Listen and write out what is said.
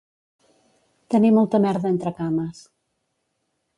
Tenir molta merda entre cames